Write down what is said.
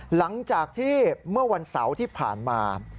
หลังจากที่เมื่อวันเสาร์ที่ผ่านมา